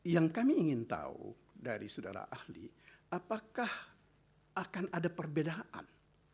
yang kami ingin tahu dari saudara ahli apakah akan ada perbedaan